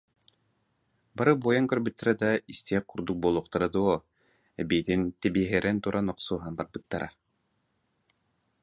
Бары буойан көрбүттэрэ да, истиэх курдук буолуохтара дуо, эбиитин тэбиэһирэн туран охсуһан барбыттара